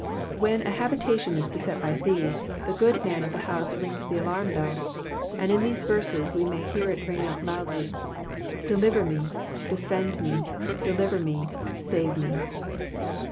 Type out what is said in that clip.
When a habitation is beset by thieves, the good man of the house rings the alarm bell ; and in these verses we may hear it ring out loudly, "* deliver m^," *' defend w^/' deliver wi^/' '* mve we."